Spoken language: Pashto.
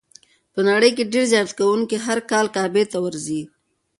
په نړۍ کې ډېر زیارت کوونکي هر کال کعبې ته ورځي.